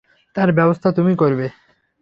তার ব্যবস্থা তুমি করবে।